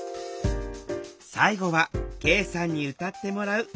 最後は恵さんに歌ってもらう。